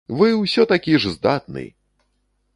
Вы ўсё такі ж здатны!